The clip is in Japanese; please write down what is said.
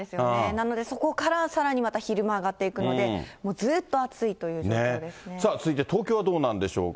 なので、そこからさらにまた昼間上がっていくので、さあ、続いて東京はどうなんでしょうか。